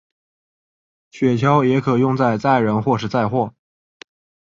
雪橇也可用在载人或是载货。